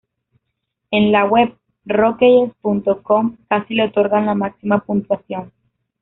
En la web Rockeyez.com casi le otorgan la máxima puntuación.